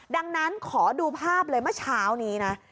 ดังนั้นขอดูภาพเลยเมื่อเช้านี้นะ